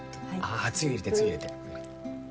あつゆ入れてつゆ入れて。